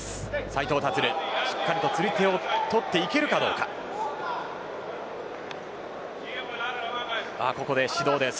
斉藤立はしっかりと釣り手を取っていけるかどうかです。